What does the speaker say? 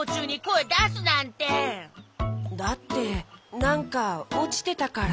だってなんかおちてたから。